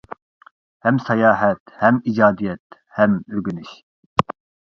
ھەم ساياھەت ھەم ئىجادىيەت ھەم ئۆگىنىش.